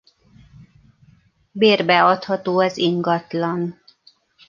Bérbe adható az ingatlan.